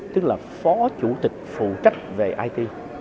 tức là phó chủ tịch phụ trách về it